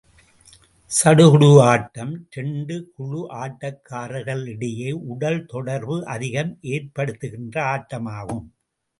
சடுகுடு ஆட்டம் இரண்டு குழு ஆட்டக்காரர்களிடையே உடல் தொடர்பு அதிகம் ஏற்படுத்துகின்ற ஆட்டமாகும்.